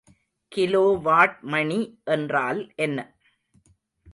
Kilowatt மணி என்றால் என்ன?